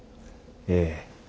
ええ。